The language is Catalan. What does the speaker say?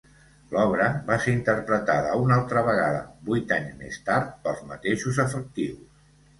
L'obra va ser interpretada una altra vegada vuit anys més tard pels mateixos efectius.